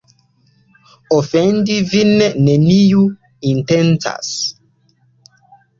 Ofendi vin neniu intencas.